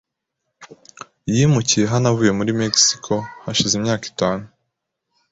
Yimukiye hano avuye muri Mexico hashize imyaka itanu .